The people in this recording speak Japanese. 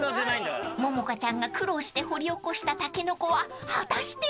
［萌々香ちゃんが苦労して掘り起こしたタケノコは果たして？］